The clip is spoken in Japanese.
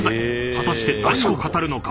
［果たして何を語るのか？